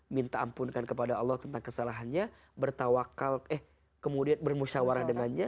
minta ampunkan kepada allah tentang kesalahannya bertawakal eh kemudian bermusyawarah dengannya